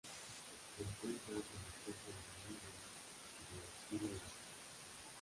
Se encuentra en las costas de la India y de Sri Lanka.